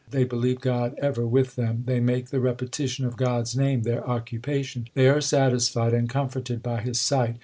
They believe God ever with them ; They make the repetition of God s name their occupation ; They are satisfied and comforted by His sight.